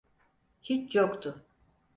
Hiç yoktu.